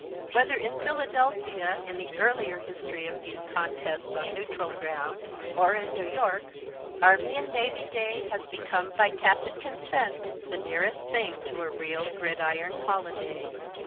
Whether in Philadelphia in the earlier history of these contests on neutral ground, or in New York, Army and Navy Day has become by tacit consent the nearest thing to a real gridiron holiday.